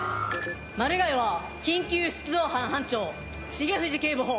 マルガイは緊急出動班班長重藤警部補。